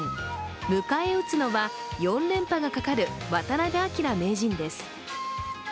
迎え撃つのは、４連覇がかかる渡辺明名人です。